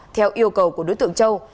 theo yêu cầu của đối tượng châu